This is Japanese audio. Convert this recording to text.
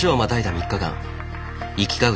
３日間行き交う